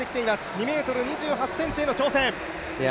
２ｍ２８ｃｍへの挑戦。